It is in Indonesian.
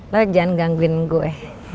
lo jangan gangguin gue